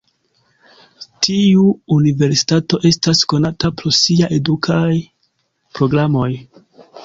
Tiu universitato estas konata pro sia edukaj programoj.